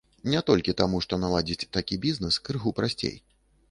Не толькі таму, што наладзіць такі бізнес крыху прасцей.